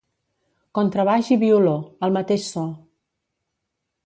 Contrabaix i violó, el mateix so.